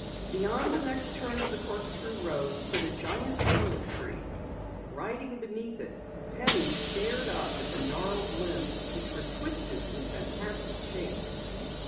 Beyond the next turn of the corkscrew road stood a giant tulip tree. Riding beneath it, Penny stared up at the gnarled limbs which were twisted in fantastic shapes.